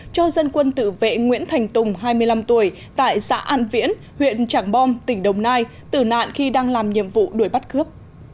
cho dân quân tự vệ nguyễn thành tùng hai mươi năm tuổi tại xã an viễn huyện trảng bom tỉnh đồng nai tử nạn khi đang làm nhiệm vụ đuổi bắt cướp